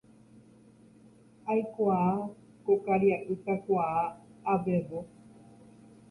Aikuaa ko karia'y kakuaa, avevo.